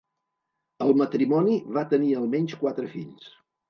El matrimoni va tenir almenys quatre fills.